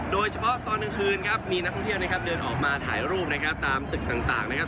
ตอนกลางคืนครับมีนักท่องเที่ยวนะครับเดินออกมาถ่ายรูปนะครับตามตึกต่างนะครับ